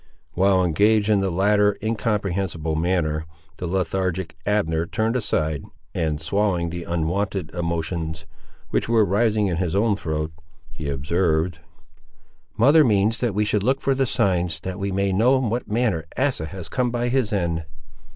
While engaged in the latter incomprehensible manner, the lethargic Abner turned aside, and swallowing the unwonted emotions which were rising in his own throat, he observed— "Mother means that we should look for the signs, that we may know in what manner Asa has come by his end."